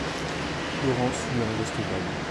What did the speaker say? Laurence eut un geste vague.